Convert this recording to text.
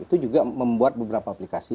itu juga membuat beberapa aplikasi